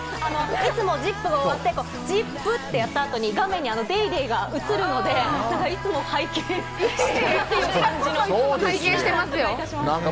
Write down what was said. いつも『ＺＩＰ！』が終わって、ＺＩＰ！ってやった後に、画面に『ＤａｙＤａｙ．』が映るので、いつも拝見してるという感じなんですけれども。